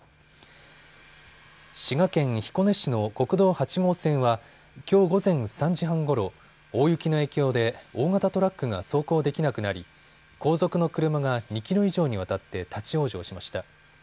滋賀県彦根市の国道８号線はきょう午前３時半ごろ大雪の影響で大型トラックが走行できなくなり後続の車が２キロ以上にわたって立往生しました。